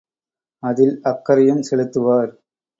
அதில் அக்கறையும் செலுத்துவார்.